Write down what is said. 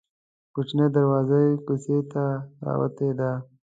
کوچنۍ دروازه یې کوڅې ته راوتې ده.